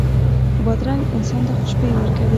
بادرنګ انسان ته خوشبويي ورکوي.